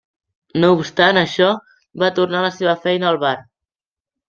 No obstant això, va tornar a la seva feina al bar.